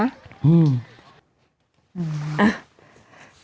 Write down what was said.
อืม